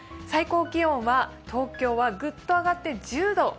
最高気温は東京はグッと上がって１０度。